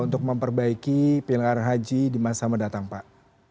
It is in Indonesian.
untuk memperbaiki pilihan haram haji di masa mendatang pak